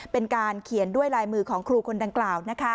เป็นการเขียนด้วยลายมือของครูคนดังกล่าว